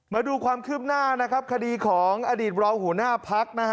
มาดูความขึ้นหน้าคดีของอดีตรองหัวหน้าภักรณ์